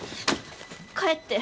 帰って。